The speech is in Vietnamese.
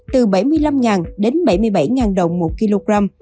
từ bảy mươi năm đến bảy mươi bảy đồng một kg